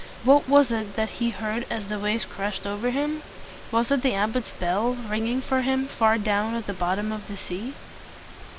What was it that he heard as the waves rushed over him? Was it the abbot's bell, ringing for him far down at the bottom of the sea?